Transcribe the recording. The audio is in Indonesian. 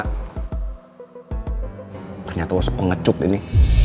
ternyata lo suka ngecuk ini